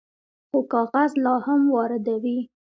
خو کاغذ لا هم واردوي.